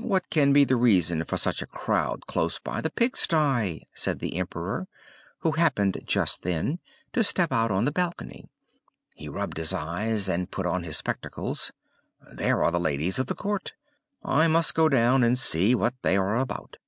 "What can be the reason for such a crowd close by the pigsty?" said the Emperor, who happened just then to step out on the balcony; he rubbed his eyes, and put on his spectacles. "They are the ladies of the court; I must go down and see what they are about!"